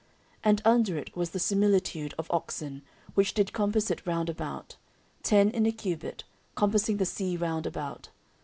14:004:003 And under it was the similitude of oxen, which did compass it round about: ten in a cubit, compassing the sea round about.